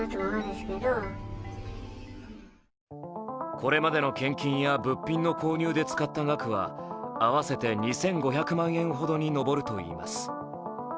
これまでの献金や物品の購入で使った額は合わせて２５００万円ほどに上るといいます。